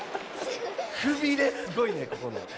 くびれすごいねんここ。